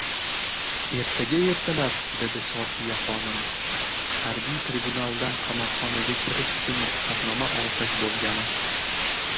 Ertaga ertalab, dedi Sofiya xonim, harbiy tribunaldan qamoqxonaga kirish uchun ruxsatnoma olsak bo`lgani